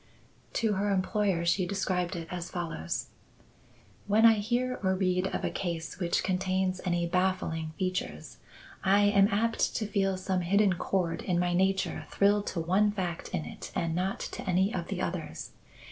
To her employer she described it as follows: "When I hear or read of a case which contains any baffling features, I am apt to feel some hidden chord in my nature thrill to one fact in it and not to any of the others.